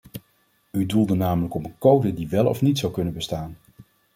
U doelde namelijk op een code die wel of niet zou kunnen bestaan.